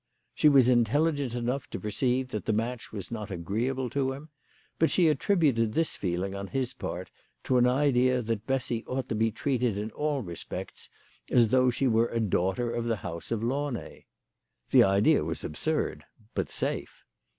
She was intelligent enough to per ceive that the match was not agreeable to him ; but she attributed this feeling on his part to an idea that Bessy ought to be treated in all respects as though she were a daughter of the house of Launay. The idea was absurd, but safe.